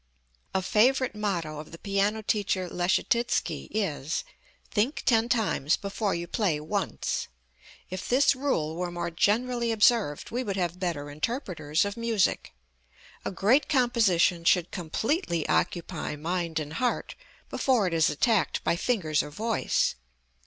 A favorite motto of the piano teacher Leschetitzky is, "Think ten times before you play once." If this rule were more generally observed we should have better interpreters of music. A great composition should completely occupy mind and heart before it is attacked by fingers or voice.